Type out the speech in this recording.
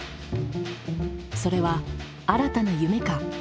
それは新たな夢か